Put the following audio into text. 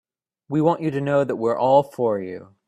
We want you to know that we're all for you.